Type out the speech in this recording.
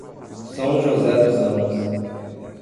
São José dos Ramos